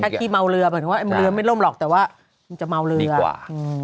ถ้าขี้เมาเรือหมายถึงว่าเรือไม่ล่มหรอกแต่ว่ามันจะเมาเรือกว่า